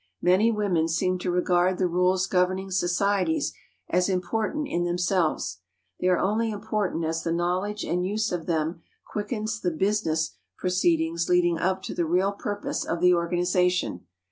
Many women seem to regard the rules governing societies as important in themselves. They are only important as the knowledge and use of them quickens the business proceedings leading up to the real purpose of the organization.